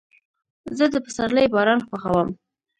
زه د پسرلي باران خوښوم.